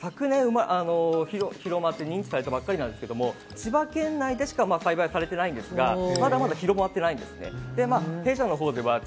これはですね、まだ昨年広まって認知されたばかりなんですけど、千葉県内でしか栽培されていないんですが、まだまだ広まってないんですね。